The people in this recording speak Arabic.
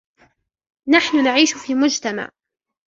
نحن نعيش في مجتمع.